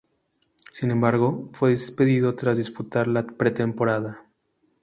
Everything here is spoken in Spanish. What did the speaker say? Sin embargo, fue despedido tras disputar la pretemporada.